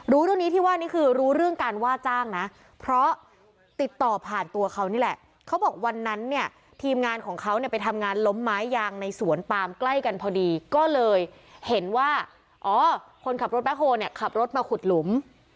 รู้เรื่องนี้ที่ว่านี่คือรู้เรื่องการว่าจ้างนะเพราะติดต่อผ่านตัวเขานี่แหละเขาบอกวันนั้นเนี่ยทีมงานของเขาเนี่ยไปทำงานล้มไม้ยางในสวนปามใกล้กันพอดีก็เลยเห็นว่าอ๋อคนขับรถแบ็คโฮลเนี่ยขับรถมาขุดหลุม